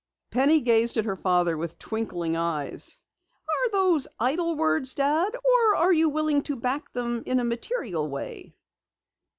Penny gazed at her father with twinkling eyes. "Are those idle words, Dad? Or are you willing to back them in a material way?"